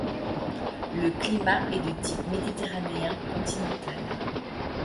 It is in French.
Le climat est de type méditerranéen continental.